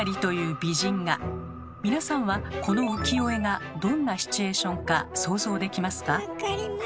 皆さんはこの浮世絵がどんなシチュエーションか想像できますか？